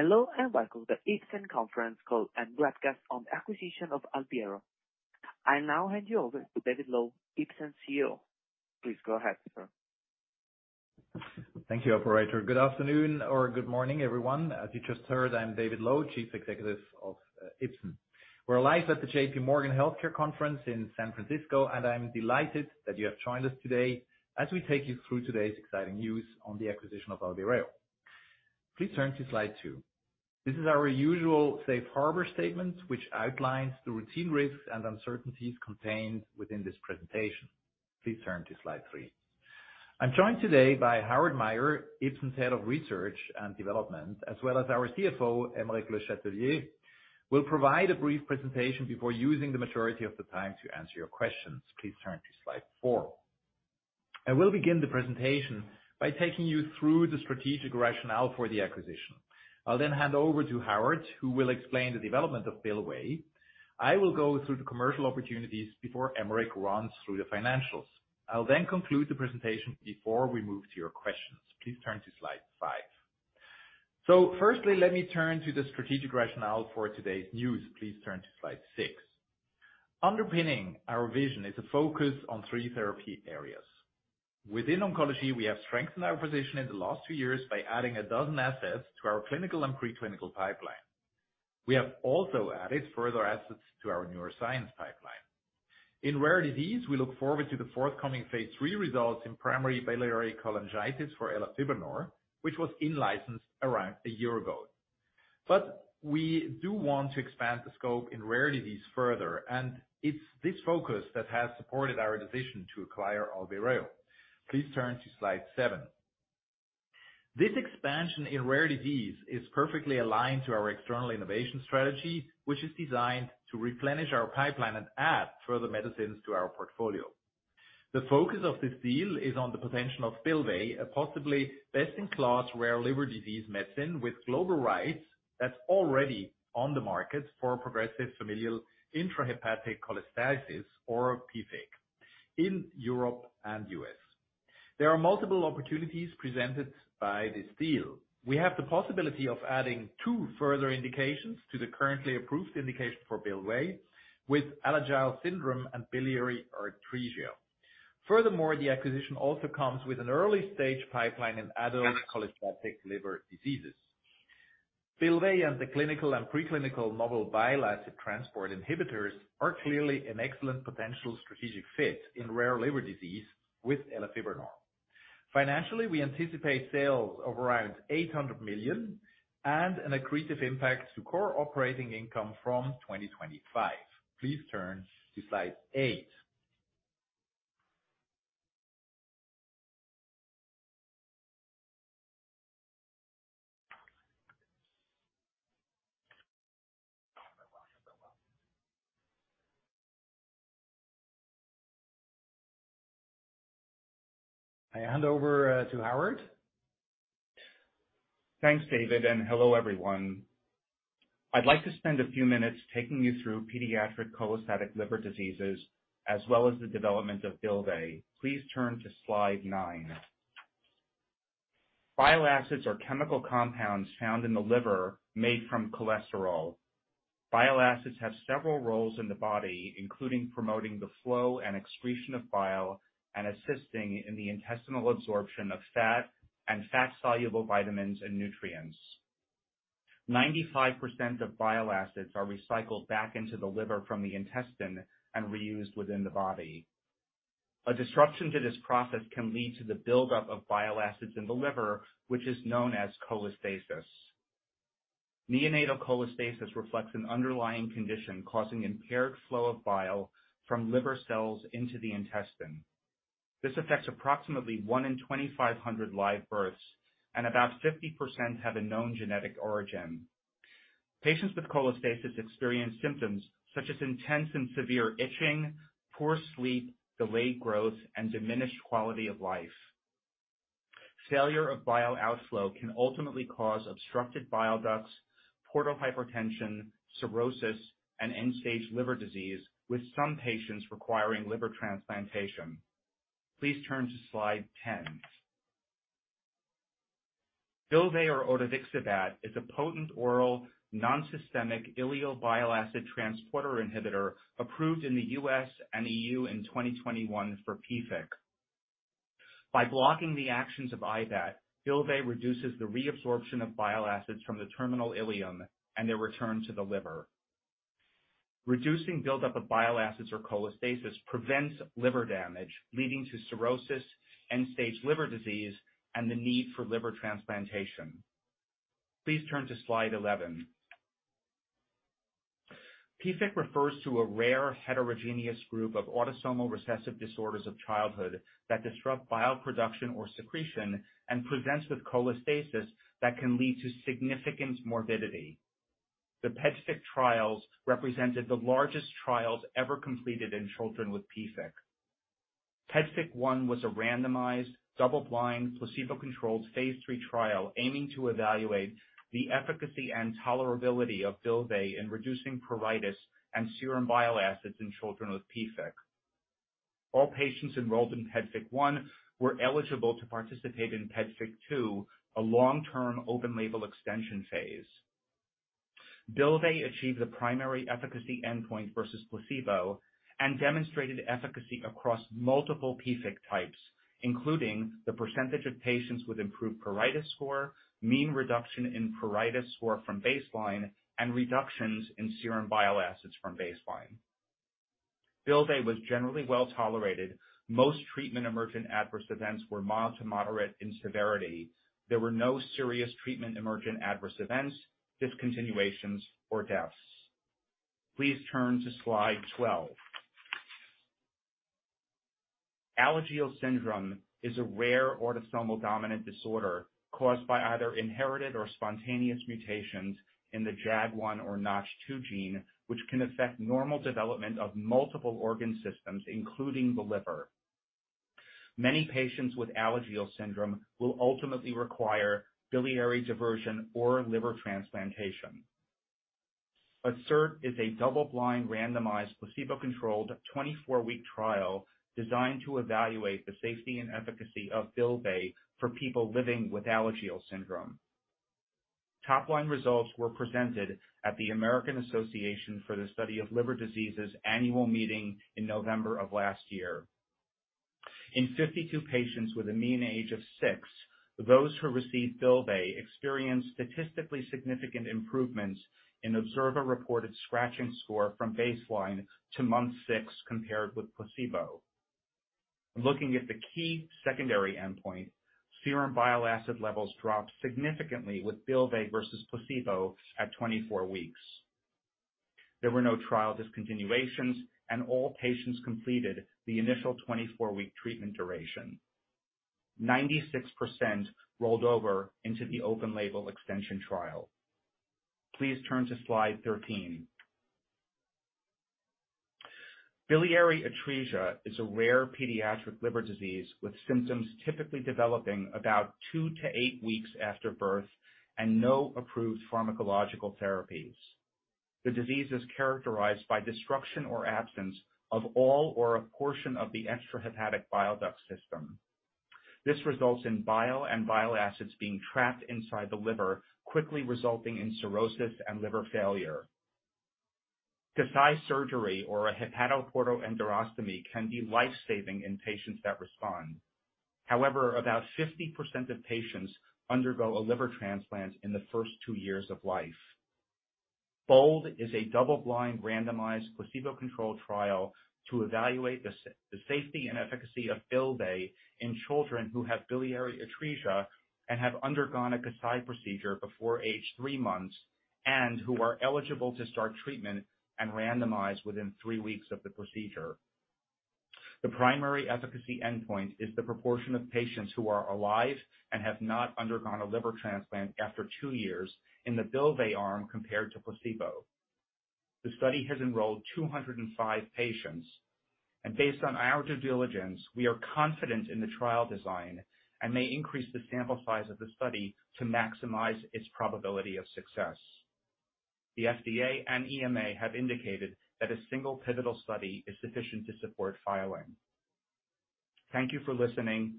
Hello, welcome to the Ipsen conference call and broadcast on the acquisition of Albireo. I'll now hand you over to David Loew, Ipsen's CEO. Please go ahead, sir. Thank you, operator. Good afternoon or good morning, everyone. As you just heard, I'm David Loew, chief executive of Ipsen. We're live at the J.P. Morgan Healthcare Conference in San Francisco. I'm delighted that you have joined us today as we take you through today's exciting news on the acquisition of Albireo. Please turn to slide two. This is our usual safe harbor statement which outlines the routine risks and uncertainties contained within this presentation. Please turn to slide three. I'm joined today by Howard Mayer, Ipsen's head of research and development, as well as our CFO, Aymeric Le Châtelier. We'll provide a brief presentation before using the majority of the time to answer your questions. Please turn to slide four. I will begin the presentation by taking you through the strategic rationale for the acquisition. I'll then hand over to Howard, who will explain the development of Bylvay. I will go through the commercial opportunities before Aymeric runs through the financials. I'll then conclude the presentation before we move to your questions. Please turn to slide five. Firstly, let me turn to the strategic rationale for today's news. Please turn to slide six. Underpinning our vision is a focus on three therapy areas. Within oncology, we have strengthened our position in the last two years by adding 12 assets to our clinical and pre-clinical pipeline. We have also added further assets to our neuroscience pipeline. In rare disease, we look forward to the forthcoming phase three results in primary biliary cholangitis for elafibranor, which was in-licensed around a year ago. We do want to expand the scope in rare disease further, and it's this focus that has supported our decision to acquire Albireo. Please turn to slide seven. This expansion in rare disease is perfectly aligned to our external innovation strategy, which is designed to replenish our pipeline and add further medicines to our portfolio. The focus of this deal is on the potential of Bylvay, a possibly best-in-class rare liver disease medicine with global rights that's already on the market for progressive familial intrahepatic cholestasis, or PFIC, in Europe and U.S. There are multiple opportunities presented by this deal. We have the possibility of adding two further indications to the currently approved indication for Bylvay with Alagille syndrome and biliary atresia. The acquisition also comes with an early-stage pipeline in adult cholestatic liver diseases. Bylvay and the clinical and pre-clinical novel bile acid transport inhibitors are clearly an excellent potential strategic fit in rare liver disease with elafibranor. Financially, we anticipate sales of around $800 million and an accretive impact to core operating income from 2025. Please turn to slide eight. I hand over to Howard. Thanks, David. Hello everyone. I'd like to spend a few minutes taking you through pediatric cholestatic liver diseases as well as the development of Bylvay. Please turn to slide nine. Bile acids are chemical compounds found in the liver made from cholesterol. Bile acids have several roles in the body, including promoting the flow and excretion of bile and assisting in the intestinal absorption of fat and fat-soluble vitamins and nutrients. 95% of bile acids are recycled back into the liver from the intestine and reused within the body. A disruption to this process can lead to the buildup of bile acids in the liver, which is known as cholestasis. Neonatal cholestasis reflects an underlying condition causing impaired flow of bile from liver cells into the intestine. This affects approximately 1 in 2,500 live births. About 50% have a known genetic origin. Patients with cholestasis experience symptoms such as intense and severe itching, poor sleep, delayed growth, and diminished quality of life. Failure of bile outflow can ultimately cause obstructed bile ducts, portal hypertension, cirrhosis, and end-stage liver disease, with some patients requiring liver transplantation. Please turn to slide ten. Bylvay or odevixibat is a potent oral non-systemic ileal bile acid transporter inhibitor approved in the U.S. and E.U. in 2021 for PFIC. By blocking the actions of IBAT, Bylvay reduces the reabsorption of bile acids from the terminal ileum and their return to the liver. Reducing buildup of bile acids or cholestasis prevents liver damage leading to cirrhosis, end-stage liver disease, and the need for liver transplantation. Please turn to slide eleven. PFIC refers to a rare heterogeneous group of autosomal recessive disorders of childhood that disrupt bile production or secretion and presents with cholestasis that can lead to significant morbidity. The PEDFIC trials represented the largest trials ever completed in children with PFIC. PEDFIC 1 was a randomized, double-blind, placebo-controlled phase III trial aiming to evaluate the efficacy and tolerability of Bylvay in reducing pruritus and serum bile acids in children with PFIC. All patients enrolled in PFIC1 were eligible to participate in PFIC2, a long-term open label extension phase. Bylvay achieved the primary efficacy endpoint versus placebo and demonstrated efficacy across multiple PFIC types, including the % of patients with improved pruritus score, mean reduction in pruritus score from baseline, and reductions in serum bile acids from baseline. Bylvay was generally well-tolerated. Most treatment-emergent adverse events were mild to moderate in severity. There were no serious treatment-emergent adverse events, discontinuations, or deaths. Please turn to slide twelve. Alagille syndrome is a rare autosomal dominant disorder caused by either inherited or spontaneous mutations in the JAG1 or NOTCH2 gene, which can affect normal development of multiple organ systems, including the liver. Many patients with Alagille syndrome will ultimately require biliary diversion or liver transplantation. ASSERT is a double-blind, randomized, placebo-controlled 24-week trial designed to evaluate the safety and efficacy of Bylvay for people living with Alagille syndrome. Top line results were presented at the American Association for the Study of Liver Diseases annual meeting in November of last year. In 52 patients with a mean age of six, those who received Bylvay experienced statistically significant improvements in observer-reported scratching score from baseline to month six compared with placebo. Looking at the key secondary endpoint, serum bile acid levels dropped significantly with Bylvay versus placebo at 24 weeks. There were no trial discontinuations. All patients completed the initial 24-week treatment duration. 96% rolled over into the open label extension trial. Please turn to slide thirteen. Biliary atresia is a rare pediatric liver disease with symptoms typically developing about two to eight weeks after birth and no approved pharmacological therapies. The disease is characterized by destruction or absence of all or a portion of the extrahepatic bile duct system. This results in bile and bile acids being trapped inside the liver, quickly resulting in cirrhosis and liver failure. Kasai surgery or a hepatoportoenterostomy can be life-saving in patients that respond. About 50% of patients undergo a liver transplant in the first two yeara of life. BOLD is a double-blind, randomized, placebo-controlled trial to evaluate the safety and efficacy of Bylvay in children who have biliary atresia and have undergone a Kasai procedure before age three months and who are eligible to start treatment and randomized within three weeks of the procedure. The primary efficacy endpoint is the proportion of patients who are alive and have not undergone a liver transplant after two years in the Bylvay arm compared to placebo. The study has enrolled 205 patients, and based on our due diligence, we are confident in the trial design and may increase the sample size of the study to maximize its probability of success. The FDA and EMA have indicated that a single pivotal study is sufficient to support filing. Thank you for listening.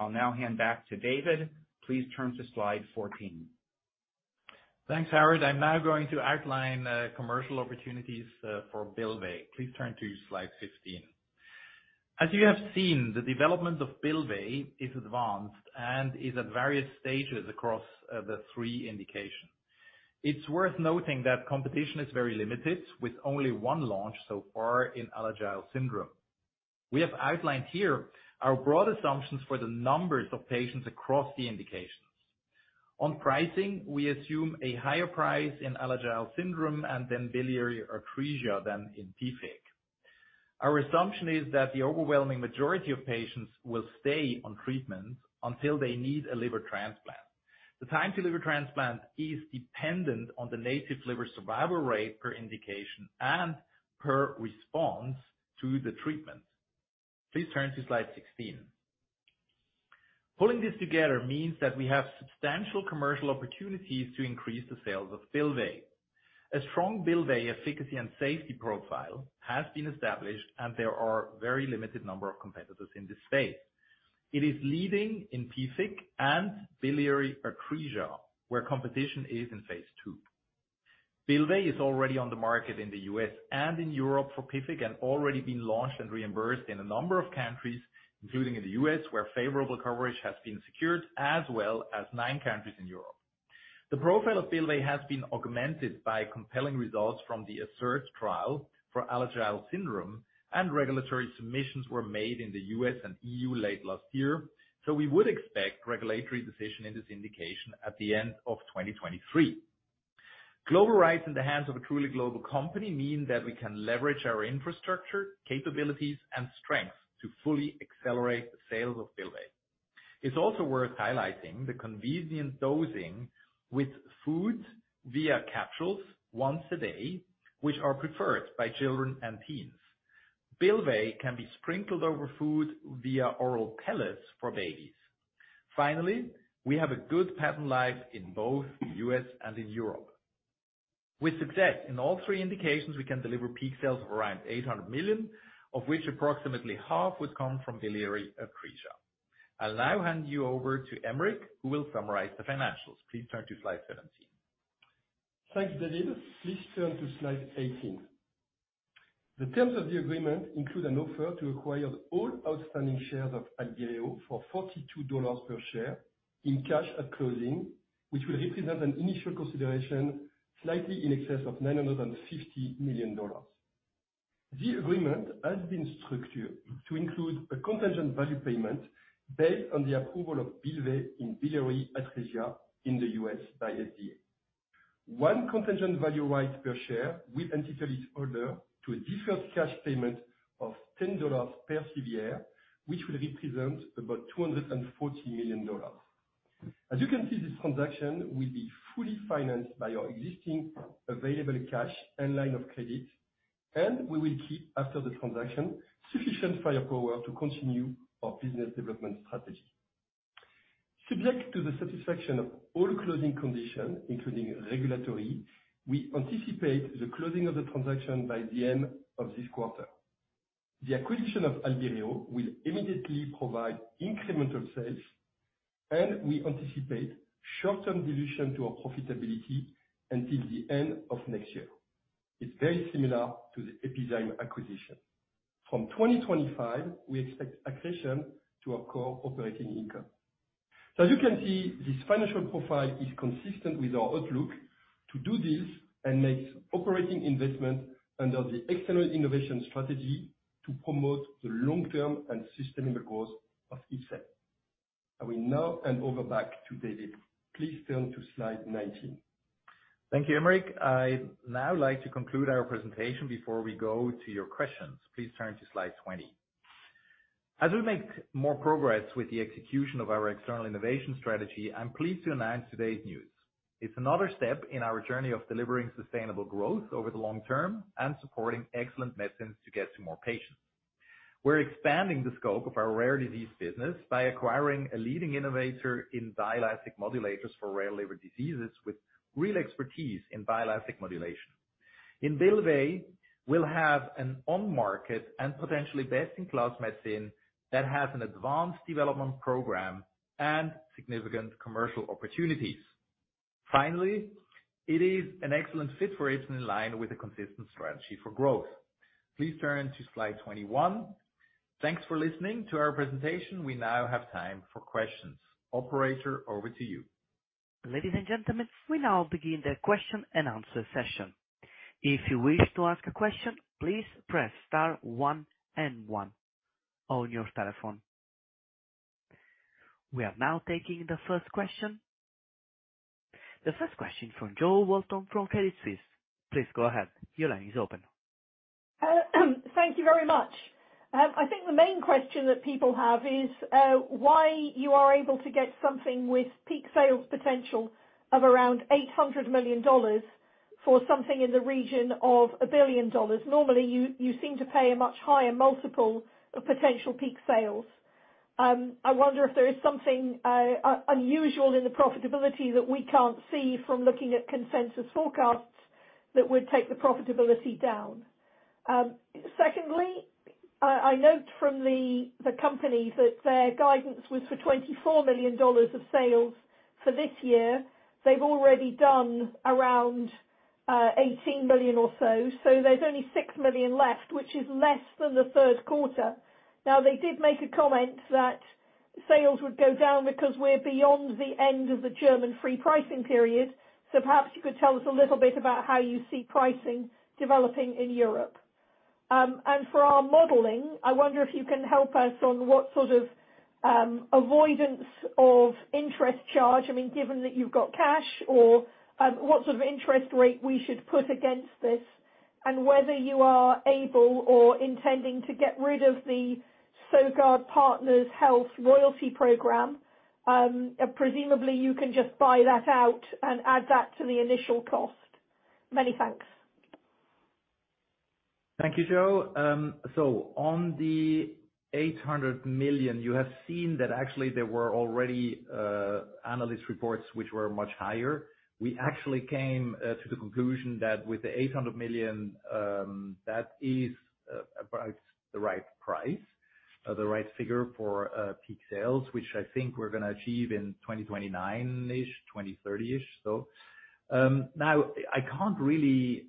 I'll now hand back to David. Please turn to slide fourteen. Thanks, Howard. I'm now going to outline commercial opportunities for Bylvay. Please turn to slide fifteen. As you have seen, the development of Bylvay is advanced and is at various stages across the three indications. It's worth noting that competition is very limited, with only one launch so far in Alagille syndrome. We have outlined here our broad assumptions for the numbers of patients across the indications. On pricing, we assume a higher price in Alagille syndrome and then biliary atresia than in PFIC. Our assumption is that the overwhelming majority of patients will stay on treatment until they need a liver transplant. The time to liver transplant is dependent on the native liver survival rate per indication and per response to the treatment. Please turn to slide sixteen. Pulling this together means that we have substantial commercial opportunities to increase the sales of Bylvay. A strong Bylvay efficacy and safety profile has been established. There are very limited number of competitors in this space. It is leading in PFIC and biliary atresia, where competition is in phase two. Bylvay is already on the market in the U.S. and in Europe for PFIC, and already been launched and reimbursed in a number of countries, including in the U.S., where favorable coverage has been secured, as well as nine countries in Europe. The profile of Bylvay has been augmented by compelling results from the ASSERT trial for Alagille syndrome. Regulatory submissions were made in the U.S. and EU late last year. We would expect regulatory decision in this indication at the end of 2023. Global rights in the hands of a truly global company mean that we can leverage our infrastructure, capabilities, and strengths to fully accelerate the sales of Bylvay. It's also worth highlighting the convenient dosing with food via capsules once a day, which are preferred by children and teens. Bylvay can be sprinkled over food via oral pellets for babies. Finally, we have a good patent life in both U.S. and in Europe. With success in all three indications, we can deliver peak sales of around $800 million, of which approximately half would come from Biliary Atresia. I'll now hand you over to Aymeric, who will summarize the financials. Please turn to slide seventeen. Thanks, David. Please turn to slide eighteen. The terms of the agreement include an offer to acquire all outstanding shares of Albireo for $42 per share in cash at closing, which will represent an initial consideration slightly in excess of $950 million. The agreement has been structured to include a contingent value payment based on the approval of Bylvay in biliary atresia in the U.S. by FDA. One contingent value right per share will entitle its holder to a deferred cash payment of $10 per severe, which will represent about $240 million. As you can see, this transaction will be fully financed by our existing available cash and line of credit, we will keep, after the transaction, sufficient firepower to continue our business development strategy. Subject to the satisfaction of all closing conditions, including regulatory, we anticipate the closing of the transaction by the end of this quarter. The acquisition of Albireo will immediately provide incremental sales, and we anticipate short-term dilution to our profitability until the end of next year. It's very similar to the Epizyme acquisition. From 2025, we expect accretion to our core operating income. As you can see, this financial profile is consistent with our outlook to do this and make operating investment under the external innovation strategy to promote the long-term and sustainable growth of Ipsen. I will now hand over back to David. Please turn to slide nineteen. Thank you, Aymeric. I'd now like to conclude our presentation before we go to your questions. Please turn to slide twenty. As we make more progress with the execution of our external innovation strategy, I'm pleased to announce today's news. It's another step in our journey of delivering sustainable growth over the long term and supporting excellent medicines to get to more patients. We're expanding the scope of our rare disease business by acquiring a leading innovator in bile acid modulators for rare liver diseases with real expertise in bile acid modulation. In Bylvay, we'll have an on-market and potentially best-in-class medicine that has an advanced development program and significant commercial opportunities. Finally, it is an excellent fit for Ipsen in line with a consistent strategy for growth. Please turn to slide twenty-one. Thanks for listening to our presentation. We now have time for questions. Operator, over to you. Ladies and gentlemen, we now begin the question-and-answer session. If you wish to ask a question, please press star one and one on your telephone. We are now taking the first question. The first question from Jo Walton from Credit Suisse. Please go ahead. Your line is open. Thank you very much. I think the main question that people have is why you are able to get something with peak sales potential of around $800 million for something in the region of $1 billion. Normally, you seem to pay a much higher multiple of potential peak sales. I wonder if there is something unusual in the profitability that we can't see from looking at consensus forecasts that would take the profitability down. Secondly, I note from the company that their guidance was for $24 million of sales for this year. They've already done around $18 million or so. There's only $6 million left, which is less than the third quarter. Now, they did make a comment that sales would go down because we're beyond the end of the German free pricing period. Perhaps you could tell us a little bit about how you see pricing developing in Europe. And for our modeling, I wonder if you can help us on what sort of avoidance of interest charge, I mean, given that you've got cash or what sort of interest rate we should put against this and whether you are able or intending to get rid of the Sagard Healthcare Partners royalty program. Presumably you can just buy that out and add that to the initial cost. Many thanks. Thank you, Jo. On the $800 million, you have seen that actually there were already analyst reports which were much higher. We actually came to the conclusion that with the $800 million, that is about the right price, the right figure for peak sales, which I think we're gonna achieve in 2029-ish, 2030-ish. Now I can't really,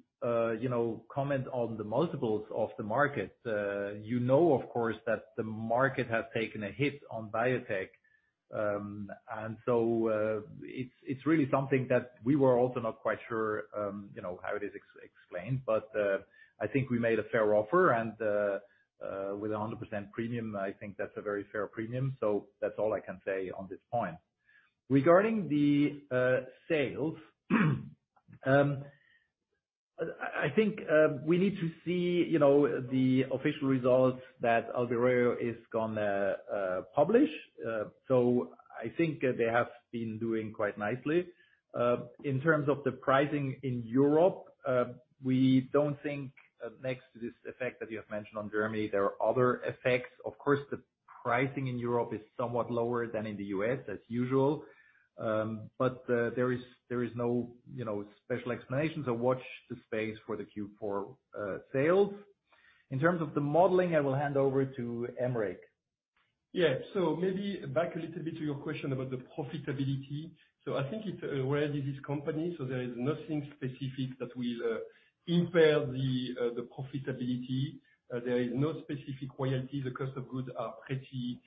you know, comment on the multiples of the market. You know, of course, that the market has taken a hit on biotech. It's really something that we were also not quite sure, you know, how it is explained. I think we made a fair offer and with a 100% premium, I think that's a very fair premium. That's all I can say on this point. Regarding the sales, I think we need to see, you know, the official results that Albireo is gonna publish. I think they have been doing quite nicely. In terms of the pricing in Europe, we don't think next to this effect that you have mentioned on Germany, there are other effects. Of course, Pricing in Europe is somewhat lower than in the U.S., as usual. There is no, you know, special explanations, so watch the space for the Q4 sales. In terms of the modeling, I will hand over to Aymeric. Yeah. Maybe back a little bit to your question about the profitability. I think it's a rare disease company, there is nothing specific that will impair the profitability. There is no specific royalties. The cost of goods are pretty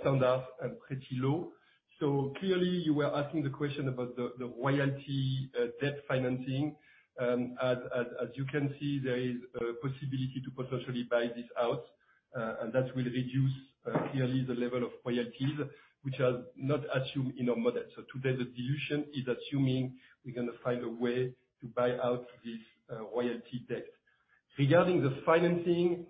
standard and pretty low. Clearly you were asking the question about the royalty debt financing. As you can see, there is a possibility to potentially buy this out, and that will reduce clearly the level of royalties which are not assumed in our model. Today, the dilution is assuming we're gonna find a way to buy out this royalty debt. Regarding the financing,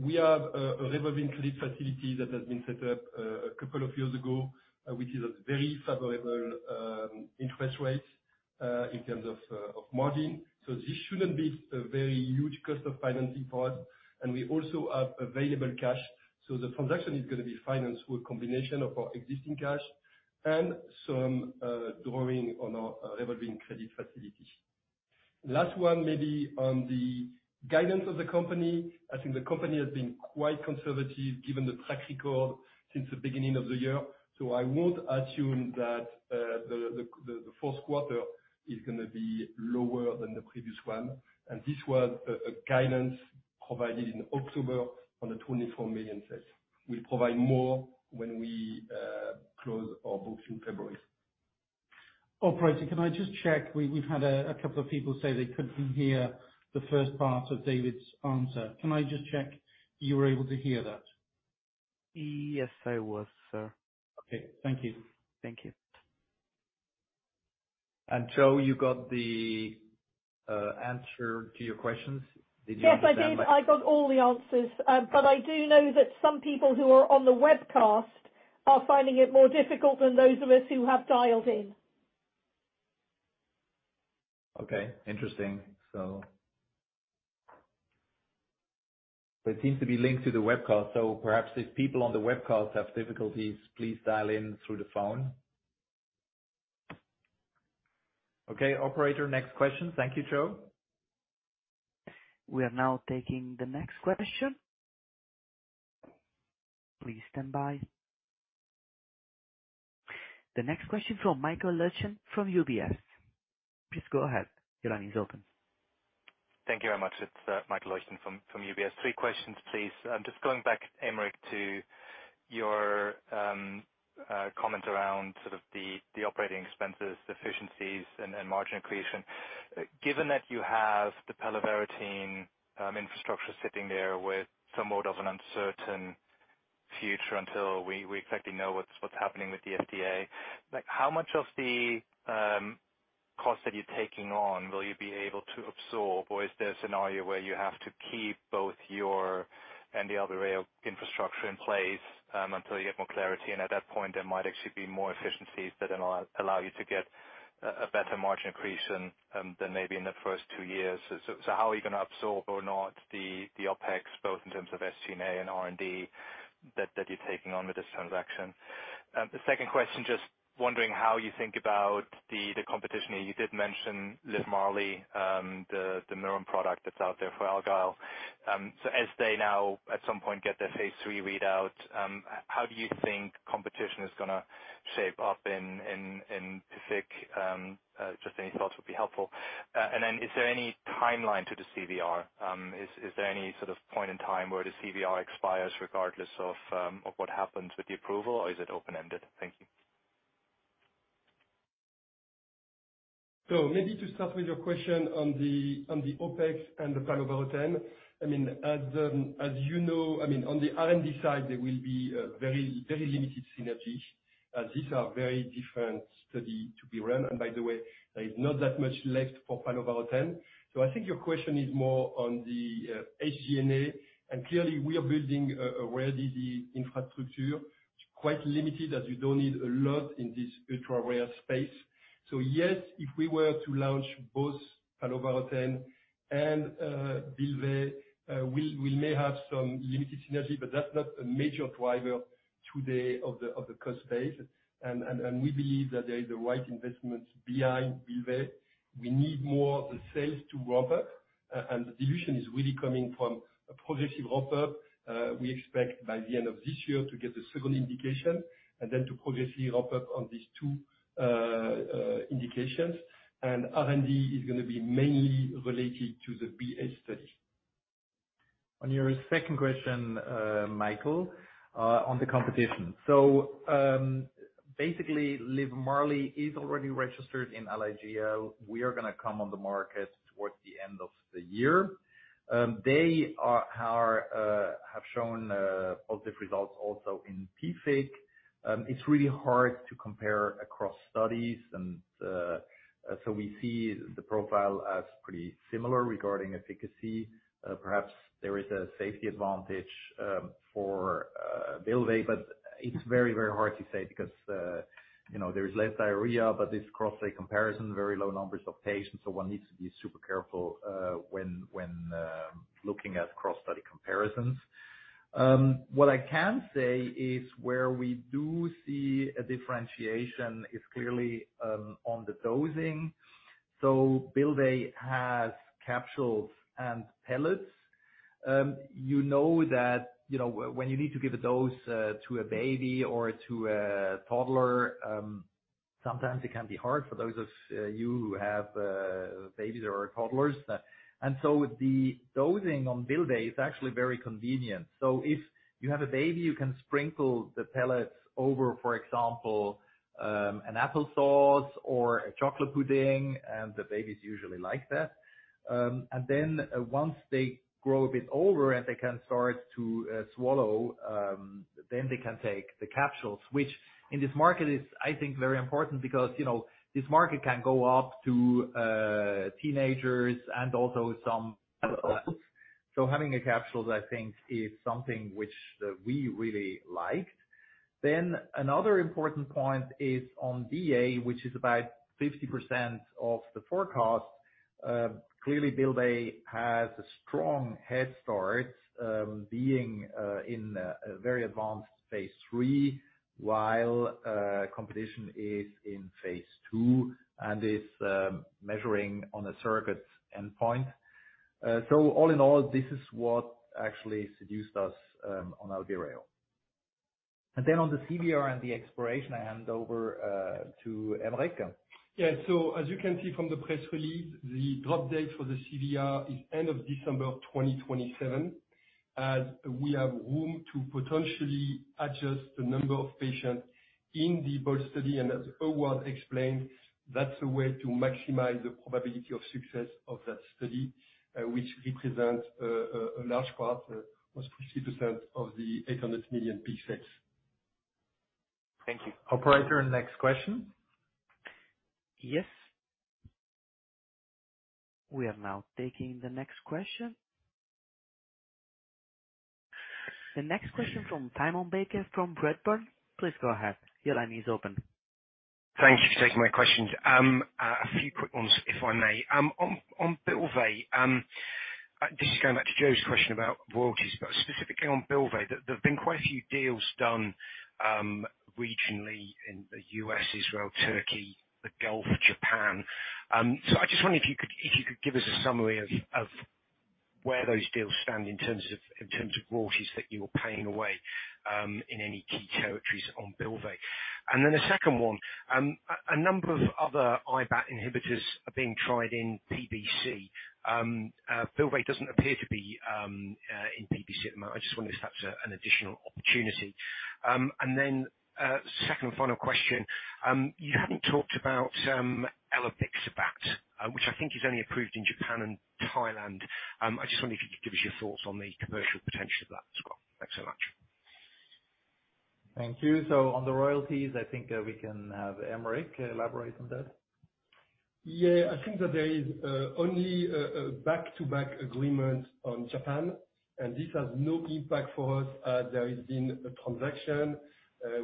we have a revolving credit facility that has been set up a couple of years ago, which is a very favorable interest rate in terms of margin. This shouldn't be a very huge cost of financing for us. We also have available cash. The transaction is gonna be financed with a combination of our existing cash and some drawing on our revolving credit facility. Last one, maybe on the guidance of the company, I think the company has been quite conservative given the track record since the beginning of the year. I would assume that the fourth quarter is gonna be lower than the previous one. This was a guidance provided in October on the 24 million sales. We'll provide more when we close our books in February. Operator, can I just check? We've had a couple of people say they couldn't hear the first part of David's answer. Can I just check you were able to hear that? Yes, I was, sir. Okay. Thank you. Thank you. Jo, you got the answer to your questions? Did you understand that? Yes, I did. I got all the answers. I do know that some people who are on the webcast are finding it more difficult than those of us who have dialed in. Interesting. It seems to be linked to the webcast, so perhaps if people on the webcast have difficulties, please dial in through the phone. Operator, next question. Thank you, Jo. We are now taking the next question. Please stand by. The next question from Michael Leuchten from UBS. Please go ahead. Your line is open. Thank you very much. It's Michael Leuchten from UBS. Three questions, please. I'm just going back, Aymeric, to your comment around sort of the operating expenses, efficiencies and margin accretion. Given that you have the palovarotene infrastructure sitting there with somewhat of an uncertain future until we exactly know what's happening with the FDA, like how much of the cost that you're taking on will you be able to absorb? Or is there a scenario where you have to keep both your and the other infrastructure in place until you get more clarity? At that point, there might actually be more efficiencies that allow you to get a better margin accretion than maybe in the first two years. How are you gonna absorb or not the OpEx, both in terms of SG&A and R&D, that you're taking on with this transaction? The second question, just wondering how you think about the competition. You did mention Livmarli, the Mirum product that's out there for Alagille. As they now at some point get their phase III readout, how do you think competition is gonna shape up in PFIC? Just any thoughts would be helpful. Is there any timeline to the CVR? Is there any sort of point in time where the CVR expires regardless of what happens with the approval, or is it open-ended? Thank you. Maybe to start with your question on the, on the OpEx and the palovarotene. I mean, as you know, I mean, on the R&D side, there will be very limited synergy, as these are very different study to be run. By the way, there is not that much left for palovarotene. I think your question is more on the SG&A. Clearly we are building a rare disease infrastructure. It's quite limited, as you don't need a lot in this ultra-rare space. Yes, if we were to launch both palovarotene and Bylvay, we may have some limited synergy, but that's not a major driver today of the cost base. We believe that there is the right investments behind Bylvay. We need more of the sales to ramp up, and the dilution is really coming from a progressive ramp up. We expect by the end of this year to get the second indication and then to progressively ramp up on these two indications. R&D is gonna be mainly related to the BOLD study. On your second question, Michael, on the competition. Basically Livmarli is already registered in ALGS. We are gonna come on the market towards the end of the year. They have shown positive results also in PFIC. It's really hard to compare across studies and, we see the profile as pretty similar regarding efficacy. Perhaps there is a safety advantage for Bylvay, but it's very, very hard to say because, you know, there is less diarrhea, but this cross-site comparison, very low numbers of patients, one needs to be super careful when looking at cross-study comparisons. What I can say is where we do see a differentiation is clearly on the dosing. Bylvay has capsules and pellets. You know, when you need to give a dose to a baby or to a toddler, sometimes it can be hard for those of you who have babies or toddlers. The dosing on Bylvay is actually very convenient. If you have a baby, you can sprinkle the pellets over, for example, an applesauce or a chocolate pudding, and the babies usually like that. Once they grow a bit older and they can start to swallow, then they can take the capsules, which in this market is, I think, very important because, you know, this market can go up to teenagers and also some adults. Having a capsule, I think is something which we really liked. Another important point is on BA, which is about 50% of the forecast. Clearly Bylvay has a strong head start, being in a very advanced phase III, while competition is in phase II and is measuring on a surrogate endpoint. All in all, this is what actually seduced us on Albireo. Then on the CVR and the exploration, I hand over to Aymeric. As you can see from the press release, the drop date for the CVR is end of December of 2027. As we have room to potentially adjust the number of patients in the BOLD study. As Howard explained, that's a way to maximize the probability of success of that study, which represents a large part, almost 50% of the $800 million peak sales. Thank you. Operator, next question. Yes. We are now taking the next question. The next question from Simon Baker from Redburn. Please go ahead. Your line is open. Thank you for taking my questions. A few quick ones, if I may. On Bylvay, this is going back to Jo's question about royalties, but specifically on Bylvay. There have been quite a few deals done, regionally in the US, Israel, Turkey, the Gulf, Japan. I just wonder if you could give us a summary of where those deals stand in terms of royalties that you're paying away, in any key territories on Bylvay. The second one, a number of other IBAT inhibitors are being tried in PBC. Bylvay doesn't appear to be in PBC at the moment. I just wonder if that's an additional opportunity. Second and final question, you haven't talked about elobixibat, which I think is only approved in Japan and Thailand. I just wonder if you could give us your thoughts on the commercial potential of that as well. Thanks so much. Thank you. On the royalties, I think, we can have Aymeric elaborate on that. Yeah. I think that there is only a back-to-back agreement on Japan. This has no impact for us. There has been a transaction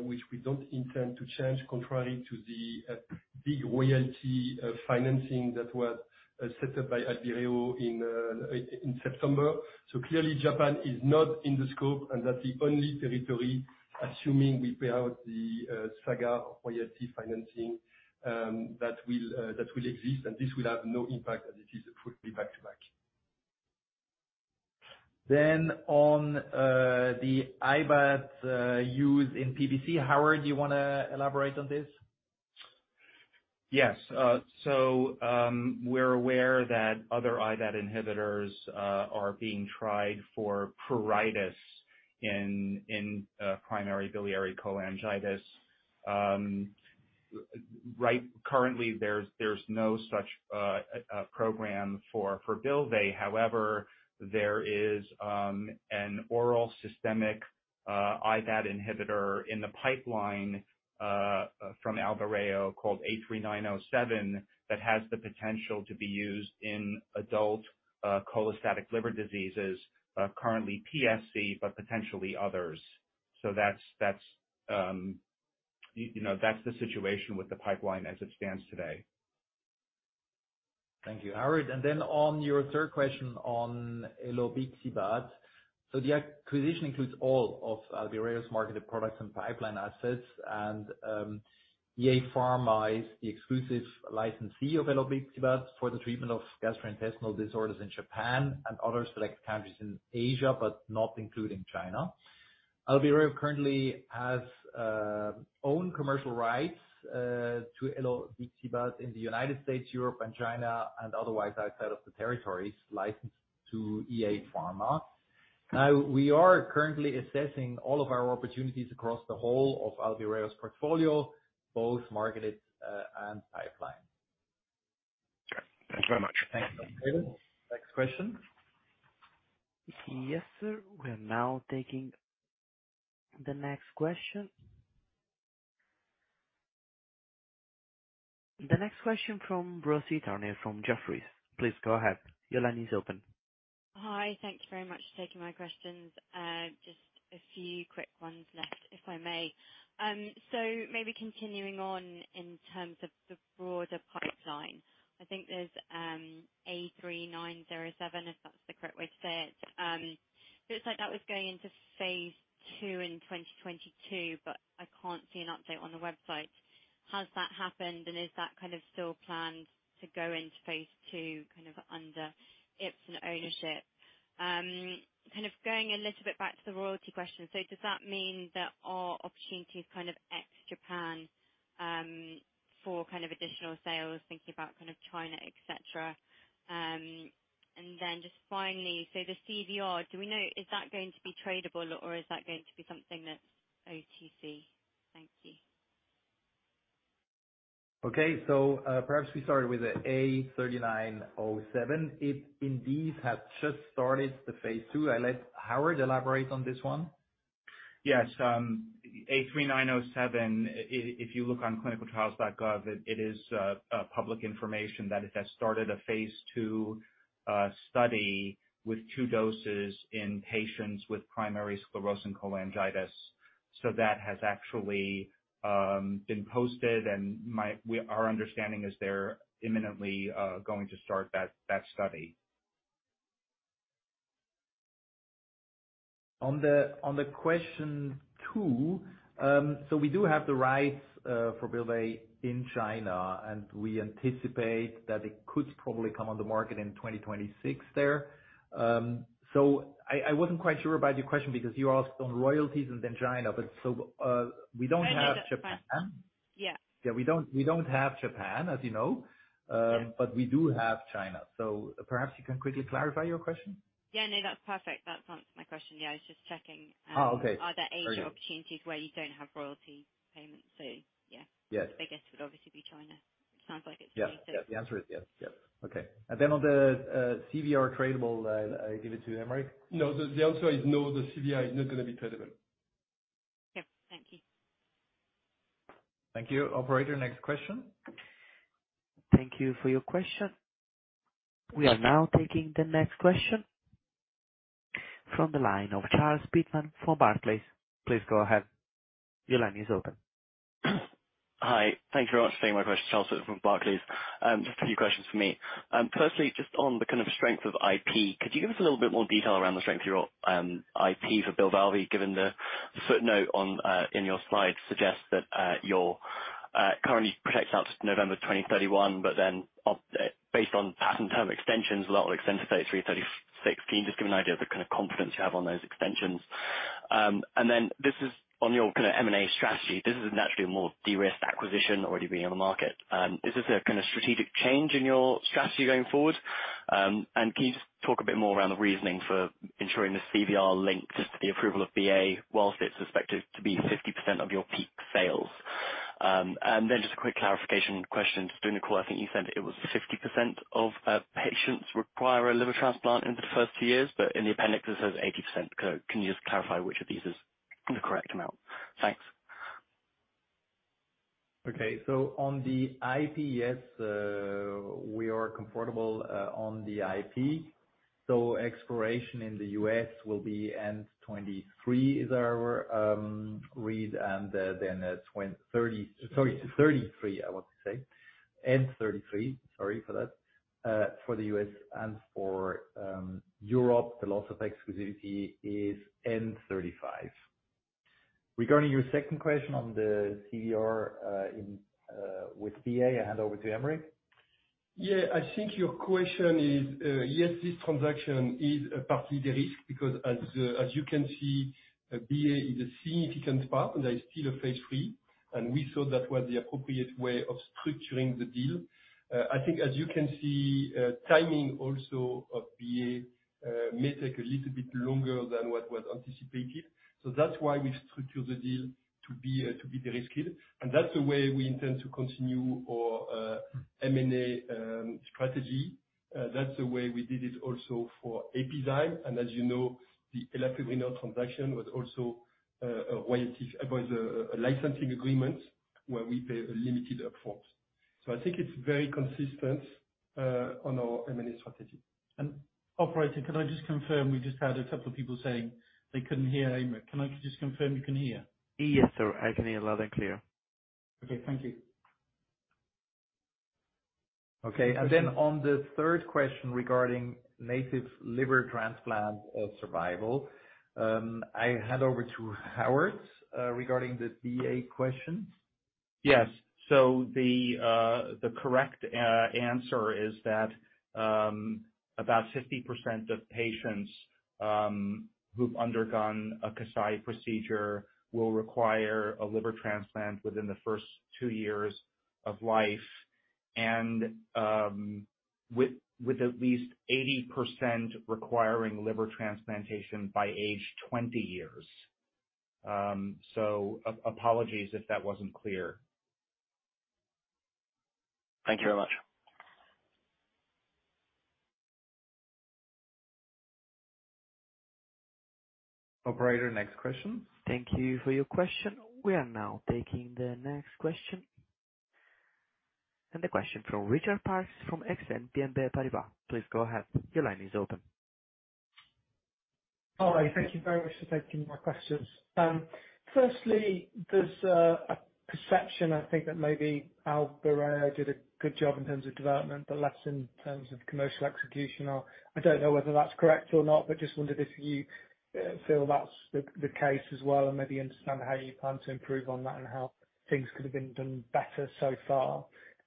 which we don't intend to change, contrary to the big royalty financing that was set up by Albireo in September. Clearly Japan is not in the scope, and that's the only territory, assuming we pay out the Sagard royalty financing, that will exist, and this will have no impact as it is fully back-to-back. On the IBAT used in PBC, Howard, do you wanna elaborate on this? We're aware that other IBAT inhibitors are being tried for pruritus in primary biliary cholangitis. Right currently there's no such program for Bylvay. However, there is an oral systemic IBAT inhibitor in the pipeline from Albireo called A3907, that has the potential to be used in adult cholestatic liver diseases, currently PSC, but potentially others. That's, you know, that's the situation with the pipeline as it stands today. Thank you, Howard. On your third question on elobixibat. The acquisition includes all of Albireo's marketed products and pipeline assets, and EA Pharma is the exclusive licensee of elobixibat for the treatment of gastrointestinal disorders in Japan and other select countries in Asia, but not including China. Albireo currently has own commercial rights to elobixibat in the U.S., Europe and China and otherwise outside of the territories licensed to EA Pharma. We are currently assessing all of our opportunities across the whole of Albireo's portfolio, both marketed and pipeline. Sure. Thank you very much. Thanks. Next question. Yes, sir. We are now taking the next question. The next question from Rosie Turner from Jefferies. Please go ahead. Your line is open. Hi. Thank you very much for taking my questions. Just a few quick ones left, if I may. Maybe continuing on in terms of the broader pipeline. I think there's A3907, if that's the correct way to say it. It's like that was going into phase II in 2022, but I can't see an update on the website. Has that happened, and is that kind of still planned to go into phase II kind of under Ipsen ownership? Kind of going a little bit back to the royalty question. Does that mean there are opportunities kind of ex Japan, for kind of additional sales, thinking about kind of China, et cetera? Just finally, the CVR, do we know, is that going to be tradable or is that going to be something that's OTC? Thank you. Okay. Perhaps we start with the A3907. It indeed has just started the phase II. I'll let Howard elaborate on this one. Yes. A3907, if you look on ClinicalTrials.gov, it is a public information that it has started a phase II study with two doses in patients with primary sclerosing cholangitis. That has actually been posted and our understanding is they're imminently going to start that study. On the question two, we do have the rights for Bylvay in China, and we anticipate that it could probably come on the market in 2026 there. I wasn't quite sure about your question because you asked on royalties and then China, but so, we don't have Japan. Yeah. Yeah, we don't have Japan, as you know. Yes. We do have China. Perhaps you can quickly clarify your question. Yeah, no, that's perfect. That's answered my question. Yeah, I was just checking. Oh, okay. Are there any opportunities where you don't have royalty payments? Yeah. Yes. The biggest would obviously be China. Sounds like it's safe to- Yes. The answer is yes. Yes. Okay. Then on the CVR tradable, I'll give it to Aymeric. No. The answer is no. The CVR is not gonna be tradable. Okay. Thank you. Thank you. Operator, next question. Thank you for your question. We are now taking the next question from the line of Matthew Weston from Barclays. Please go ahead. Your line is open. Hi. Thank you very much for taking my question. Matthew Weston from Barclays. Just a few questions from me. Firstly, just on the kind of strength of IP, could you give us a little bit more detail around the strength of your IP for Bylvay, given the footnote on in your slide suggests that your currently protects out to November 2031, but then based on patent term extensions, that will extend to 2036. Just give me an idea of the kind of confidence you have on those extensions. This is on your kind of M&A strategy. This is naturally a more de-risked acquisition already being on the market. Is this a kind of strategic change in your strategy going forward? Can you just talk a bit more around the reasoning for ensuring the CVR link just to the approval of BA whilst it's suspected to be 50% of your peak sales? Then just a quick clarification question. During the call, I think you said it was 50% of patients require a liver transplant in the first two yeara, in the appendix it says 80%. Can you just clarify which of these is the correct amount? Thanks. On the IP, yes, we are comfortable on the IP. Exploration in the U.S. will be end 2023 is our read. Then it's 2033, sorry, 2033, I want to say. End 2033, sorry for that, for the U.S. and for Europe, the loss of exclusivity is end 2035. Regarding your second question on the CVR, in with BA, I'll hand over to Aymeric. Yeah. I think your question is, yes, this transaction is partly the risk because as you can see, BA is a significant part and there's still a phase III, we thought that was the appropriate way of structuring the deal. I think as you can see, timing also of BA may take a little bit longer than what was anticipated. That's why we structured the deal to be de-risked. That's the way we intend to continue our M&A strategy. That's the way we did it also for Epizyme. As you know, the elafibranor transaction was also a royalty. It was a licensing agreement where we pay a limited up-front. I think it's very consistent on our M&A strategy. Operator, can I just confirm? We just had a couple people saying they couldn't hear Aymeric. Can I just confirm you can hear? Yes, sir. I can hear loud and clear. Okay. Thank you. Okay. On the third question regarding native liver transplant survival, I hand over to Howard regarding the BA question. Yes. The correct answer is that about 50% of patients who've undergone a Kasai procedure will require a liver transplant within the first two yeara of life and with at least 80% requiring liver transplantation by age 20 years. Apologies if that wasn't clear. Thank you very much. Operator, next question. Thank you for your question. We are now taking the next question. The question from Richard Parkes from Exane BNP Paribas. Please go ahead. Your line is open. Hi. Thank you very much for taking my questions. Firstly, there's a perception, I think, that maybe Albireo did a good job in terms of development, but less in terms of commercial execution. I don't know whether that's correct or not, but just wondered if you feel that's the case as well, and maybe understand how you plan to improve on that and how things could have been done better so far.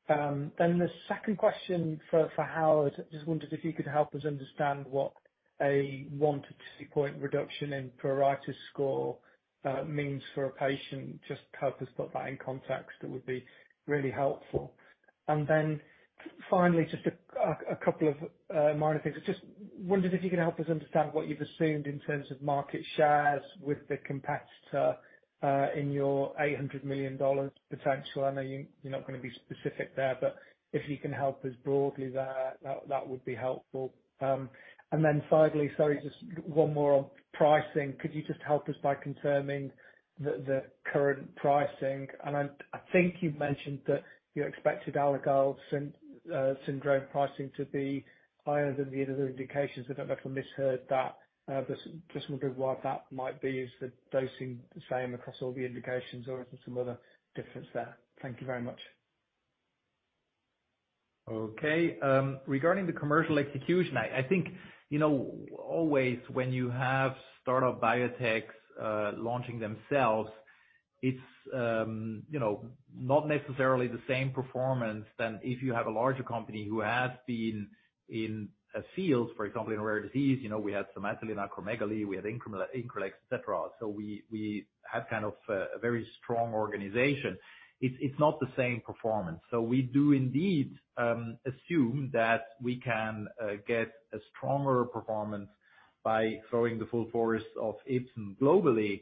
The second question for Howard, just wondered if you could help us understand what a 1 to 2 point reduction in pruritus score means for a patient. Just help us put that in context. That would be really helpful. Finally, just a couple of minor things. I just wondered if you can help us understand what you've assumed in terms of market shares with the competitor, in your $800 million potential. I know you're not gonna be specific there, but if you can help us broadly there, that would be helpful. Finally, sorry, just one more on pricing. Could you just help us by confirming the current pricing? I think you mentioned that you expected Alagille syndrome pricing to be higher than the other indications. I don't know if I misheard that. Just wondering why that might be. Is the dosing the same across all the indications or is there some other difference there? Thank you very much. Okay. Regarding the commercial execution, I think, you know, always when you have start-up biotechs, launching themselves, it's, you know, not necessarily the same performance than if you have a larger company who has been in a field, for example, in a rare disease. You know, we had Somatuline in acromegaly, we had Increlex, et cetera. We have kind of a very strong organization. It's not the same performance. We do indeed, assume that we can get a stronger performance by throwing the full force of Ipsen globally,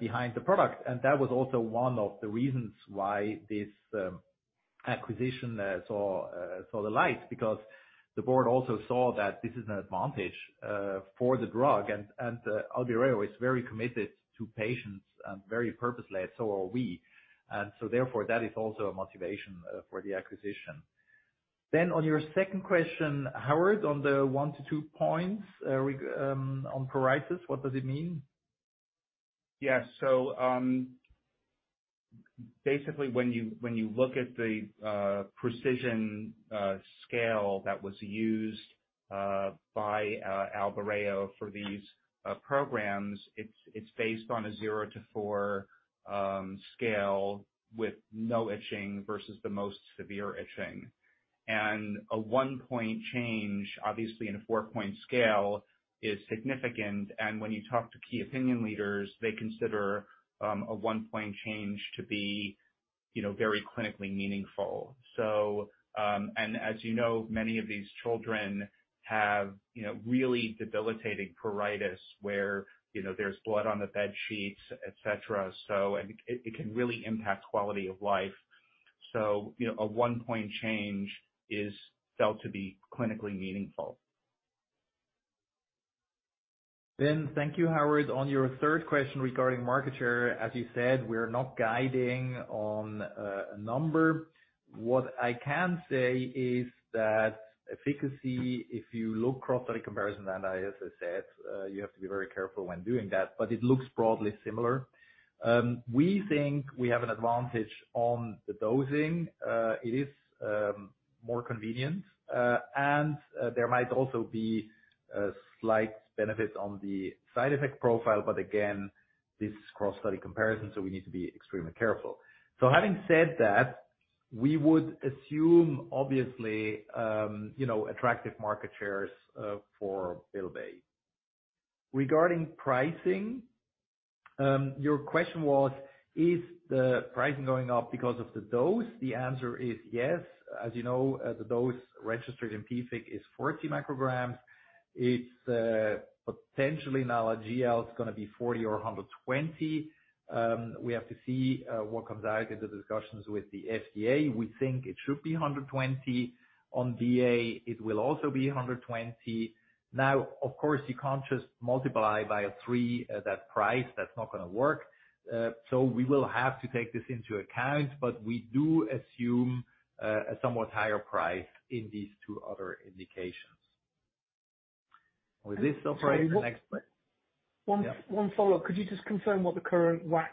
behind the product. That was also one of the reasons why this acquisition saw the light because the board also saw that this is an advantage for the drug. Albireo is very committed to patients, very purposely, and so are we. Therefore, that is also a motivation for the acquisition. On your second question, Howard, on the 1-2 points on pruritus, what does it mean? Yes. basically, when you, when you look at the precision scale that was used by Albireo for these programs, it's based on a 0 to 4 scale with no itching versus the most severe itching. A 1-point change, obviously in a 4-point scale, is significant. When you talk to key opinion leaders, they consider a 1-point change to be, you know, very clinically meaningful. As you know, many of these children have, you know, really debilitating pruritus where, you know, there's blood on the bedsheets, et cetera, so it can really impact quality of life. A 1-point change is felt to be clinically meaningful. Thank you, Howard. On your third question regarding market share, as you said, we're not guiding on a number. What I can say is that efficacy, if you look cross-study comparison, and as I said, you have to be very careful when doing that, but it looks broadly similar. We think we have an advantage on the dosing. It is more convenient, and there might also be a slight benefit on the side effect profile. Again, this is cross-study comparison, so we need to be extremely careful. Having said that, we would assume, obviously, you know, attractive market shares for Bylvay. Regarding pricing, your question was, is the pricing going up because of the dose? The answer is yes. As you know, the dose registered in PFIC is 40 micrograms. It's potentially now a GL, it's gonna be $40 or $120. We have to see what comes out in the discussions with the FDA. We think it should be $120. On DA, it will also be $120. Of course, you can't just multiply by a 3 that price. That's not gonna work. We will have to take this into account, but we do assume a somewhat higher price in these two other indications. With this, operator, next- One follow-up. Yeah. Could you just confirm what the current WAC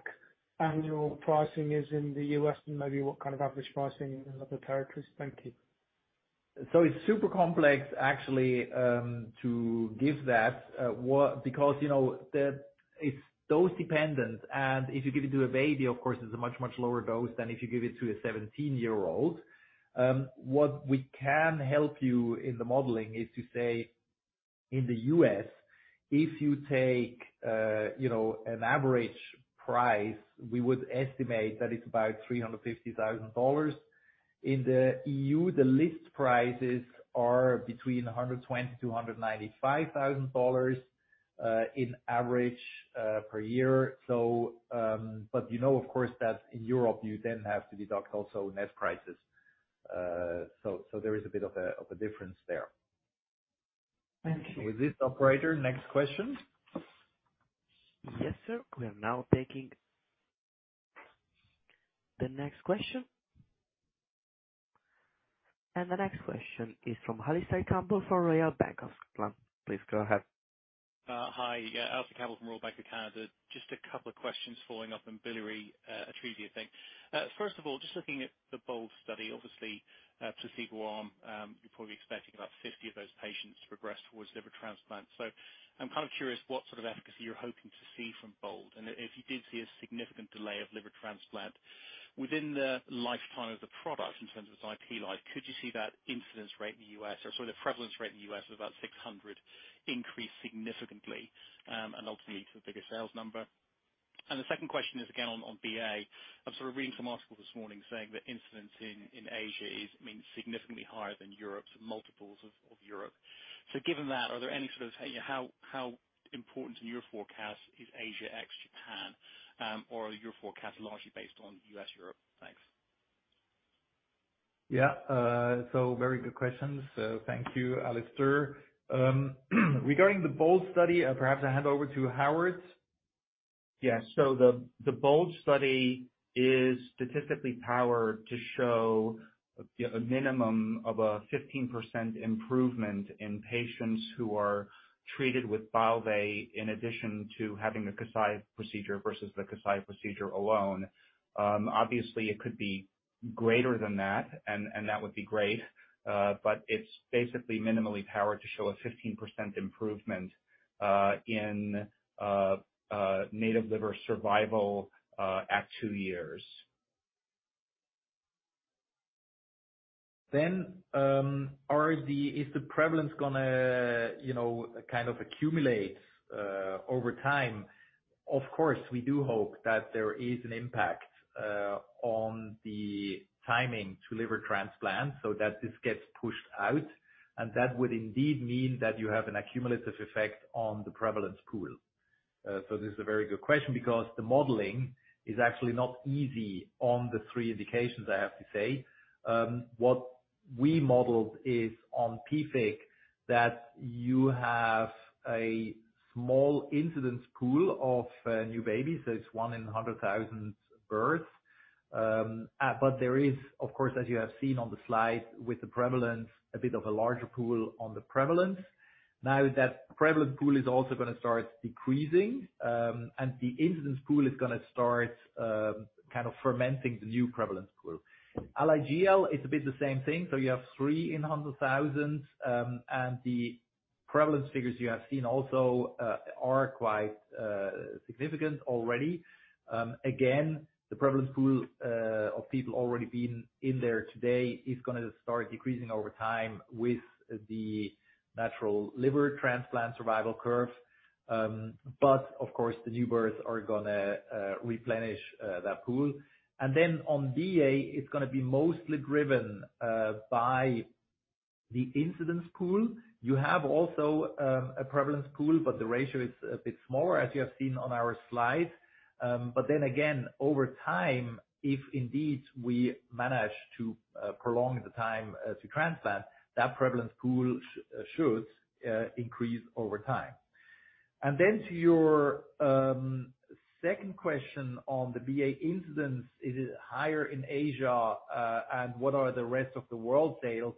annual pricing is in the U.S. and maybe what kind of average pricing in other territories? Thank you. It's super complex actually, to give that because, you know, it's dose dependent, and if you give it to a baby, of course, it's a much, much lower dose than if you give it to a 17-year-old. What we can help you in the modeling is to say, in the U.S., if you take, you know, an average price, we would estimate that it's about $350,000. In the EU, the list prices are between $120,000-$195,000 in average per year. But you know, of course, that in Europe, you then have to deduct also net prices. So there is a bit of a difference there. Thank you. With this, operator, next question. Yes, sir. We are now taking the next question. The next question is from Alistair Campbell from Royal Bank of Canada. Please go ahead. Hi. Yeah, Alistair Campbell from Royal Bank of Canada. Just a couple of questions following up on biliary atresia. First of all, just looking at the BOLD study, obviously, placebo arm, you're probably expecting about 50 of those patients to progress towards liver transplant. I'm kind of curious what sort of efficacy you're hoping to see from BOLD. If you did see a significant delay of liver transplant within the lifetime of the product in terms of its IP life, could you see that incidence rate in the U.S. or sort of the prevalence rate in the U.S. of about 600 increase significantly, and ultimately to a bigger sales number? The second question is, again, on BA. I was sort of reading some article this morning saying that incidence in Asia is, I mean, significantly higher than Europe's. Multiples of Europe. Given that, are there any sort of, how important in your forecast is Asia ex-Japan, or are your forecast largely based on US/Europe? Thanks. Yeah. very good questions. Thank you, Alistair. regarding the BOLD study, perhaps I hand over to Howard. The BOLD study is statistically powered to show a minimum of a 15% improvement in patients who are treated with Bylvay in addition to having the Kasai procedure versus the Kasai procedure alone. Obviously, it could be greater than that and that would be great. It's basically minimally powered to show a 15% improvement in native liver survival at two yeara. Is the prevalence gonna, you know, kind of accumulate over time? Of course, we do hope that there is an impact on the timing to liver transplant so that this gets pushed out. That would indeed mean that you have an accumulative effect on the prevalence pool. This is a very good question because the modeling is actually not easy on the three indications, I have to say. What we modeled is on PFIC that you have a small incidence pool of new babies. It's one in 100,000 births. There is, of course, as you have seen on the slide, with the prevalence, a bit of a larger pool on the prevalence. That prevalence pool is also gonna start decreasing, and the incidence pool is gonna start kind of fermenting the new prevalence pool. ALGS is a bit the same thing. You have 3 in 100,000, and the prevalence figures you have seen also are quite significant already. Again, the prevalence pool of people already been in there today is gonna start decreasing over time with the natural liver transplant survival curve. Of course, the new births are gonna replenish that pool. Then on BA, it's gonna be mostly driven by the incidence pool. You have also a prevalence pool, but the ratio is a bit smaller, as you have seen on our slide. Again, over time, if indeed we manage to prolong the time to transplant, that prevalence pool should increase over time. To your second question on the BA incidence, is it higher in Asia, and what are the rest of the world sales?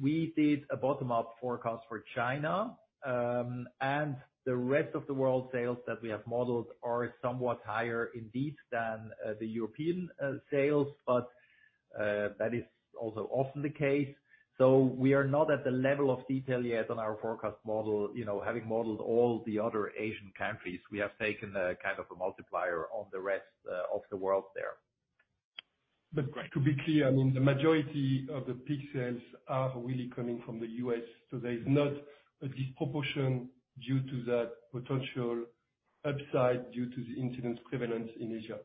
We did a bottom-up forecast for China, and the rest of the world sales that we have modeled are somewhat higher indeed than the European sales. That is also often the case. We are not at the level of detail yet on our forecast model. You know, having modeled all the other Asian countries, we have taken a kind of a multiplier on the rest of the world there. To be clear, I mean, the majority of the peak sales are really coming from the U.S., so there's not a disproportion due to that potential upside due to the incidence prevalence in Asia.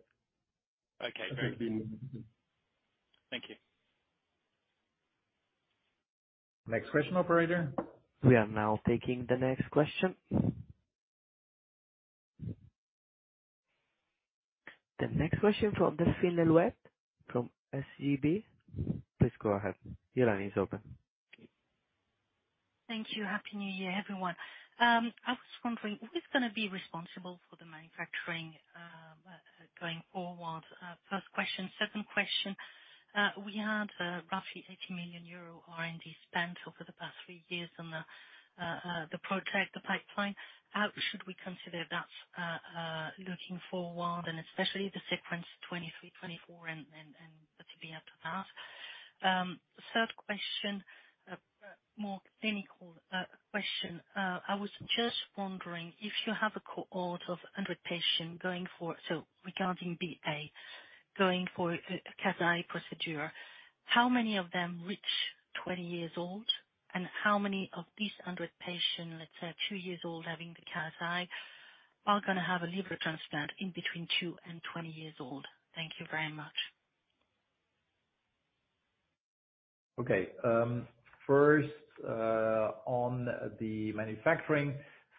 Okay, great. Hope you've been... Thank you. Next question, operator. We are now taking the next question. The next question from Delphine Le Louët from SEB. Please go ahead. Your line is open. Thank you. Happy New Year, everyone. I was wondering, who is gonna be responsible for the manufacturing going forward? First question. Second question. We had roughly 80 million euro R&D spent over the past three years on the the protect the pipeline. How should we consider that's looking forward, especially the sequence 2023, 2024, and to be able to ask. Third question, more clinical question. I was just wondering if you have a cohort of 100 patient going for... So regarding BA, going for a Kasai procedure. How many of them reach 20 years old, and how many of these 100 patient, let's say two yeara old, having the Kasai, are gonna have a liver transplant in between 2 and 20 years old? Thank you very much. First, on the manufacturing.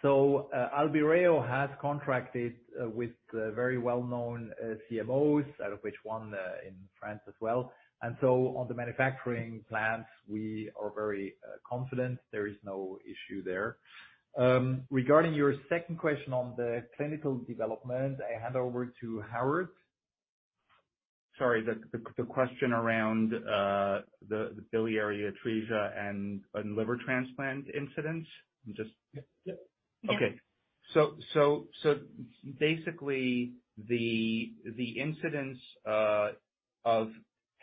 Albireo has contracted with very well-known CMOs, out of which one in France as well. On the manufacturing plants, we are very confident there is no issue there. Regarding your second question on the clinical development, I hand over to Howard. Sorry, the question around the biliary atresia and liver transplant incidence? Yeah. Basically the incidence of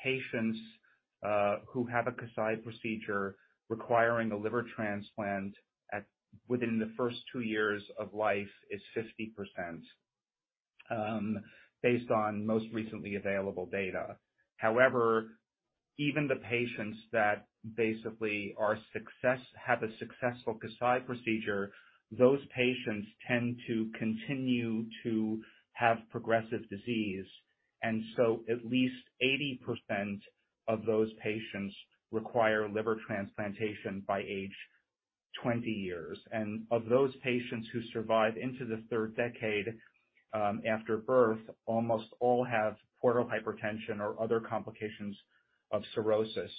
patients who have a Kasai procedure requiring a liver transplant at, within the first two yeara of life is 50%, based on most recently available data. Even the patients that basically have a successful Kasai procedure, those patients tend to continue to have progressive disease. At least 80% of those patients require liver transplantation by age 20 years. Of those patients who survive into the 3rd decade after birth, almost all have portal hypertension or other complications of cirrhosis.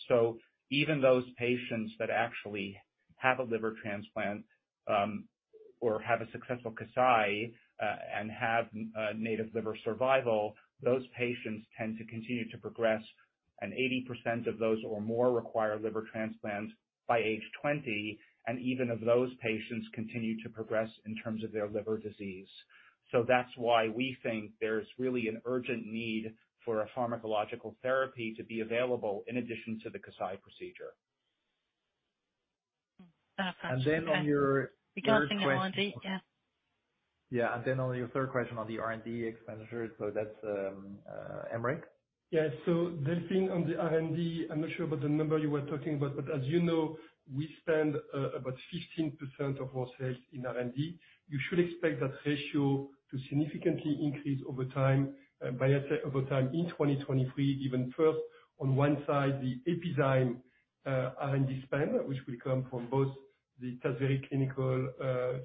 Even those patients that actually have a liver transplant, or have a successful Kasai, and have native liver survival, those patients tend to continue to progress, and 80% of those or more require liver transplant by age 20. Even of those patients continue to progress in terms of their liver disease. That's why we think there's really an urgent need for a pharmacological therapy to be available in addition to the Kasai procedure. Thanks. Okay. on your third question. Regarding the R&D. Yeah. Yeah. On your third question on the R&D expenditure, so that's Aymeric. Yeah. Delphine, on the R&D, I'm not sure about the number you were talking about, as you know, we spend about 15% of our sales in R&D. You should expect that ratio to significantly increase over time, by a third over time in 2023, given first, on one side, the Epizyme R&D spend, which will come from both the Tazverik clinical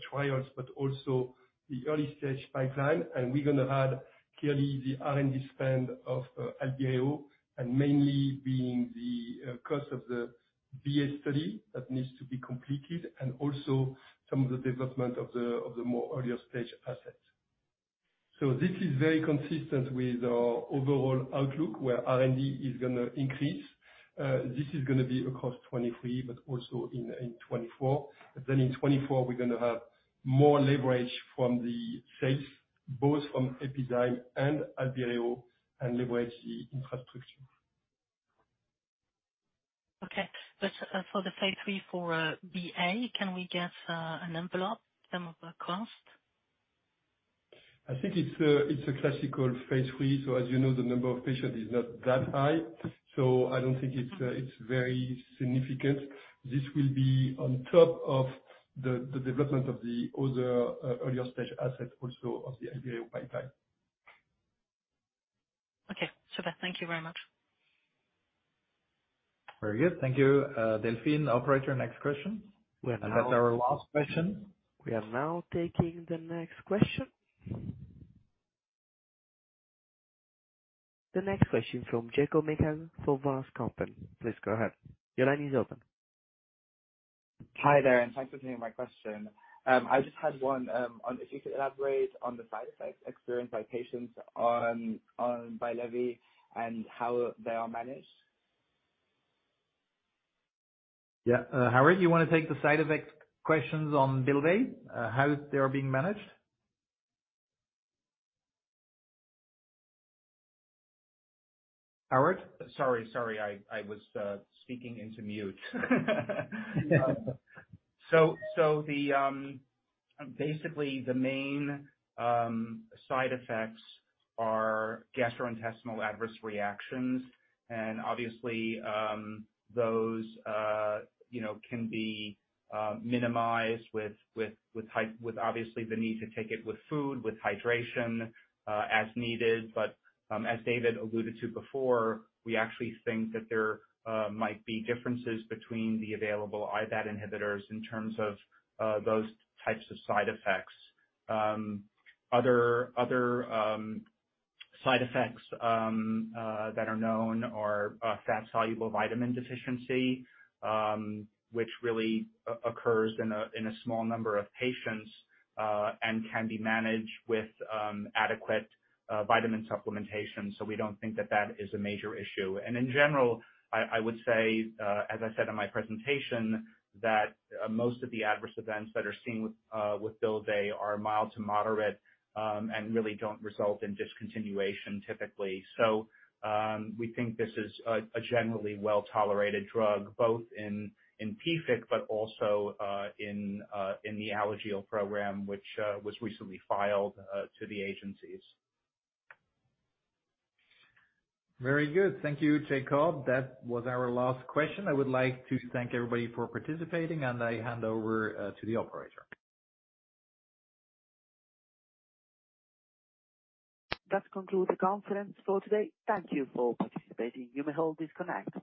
trials also the early-stage pipeline. We're gonna add clearly the R&D spend of Albireo, mainly being the cost of the BA study that needs to be completed also some of the development of the more earlier stage assets. This is very consistent with our overall outlook, where R&D is gonna increase. This is gonna be across 2023, also in 2024. In 2024, we're gonna have more leverage from the sales, both from Epizyme and Albireo, and leverage the infrastructure. Okay. For the phase three for, BA, can we guess, an envelope, some of the cost? I think it's a classical phase III. As you know, the number of patients is not that high, so I don't think it's very significant. This will be on top of the development of the other, earlier stage assets also of the Albireo pipeline. Okay. Super. Thank you very much. Very good. Thank you, Delphine. Operator, next question. We have. That's our last question. We are now taking the next question. The next question from Sachin Jain for Bank of America. Please go ahead. Your line is open. Hi there, thanks for taking my question. I just had one on if you could elaborate on the side effects experienced by patients on Bylvay and how they are managed. Yeah. Howard, you wanna take the side effect questions on Bylvay, how they are being managed? Howard? Sorry. I was speaking into mute. The basically, the main side effects are gastrointestinal adverse reactions. And obviously, those, you know, can be minimized with with obviously the need to take it with food, with hydration, as needed. But as David Loew alluded to before, we actually think that there might be differences between the available IBAT inhibitors in terms of those types of side effects. Other side effects that are known are fat-soluble vitamin deficiency, which really occurs in a small number of patients, and can be managed with adequate vitamin supplementation. So we don't think that that is a major issue. In general, I would say, as I said in my presentation, that most of the adverse events that are seen with Bylvay are mild to moderate and really don't result in discontinuation typically. We think this is a generally well-tolerated drug both in PFIC, but also in the Alagille program, which was recently filed to the agencies. Very good. Thank you, Sachin. That was our last question. I would like to thank everybody for participating. I hand over to the operator. That concludes the conference for today. Thank Thank you for participating. You may all disconnect.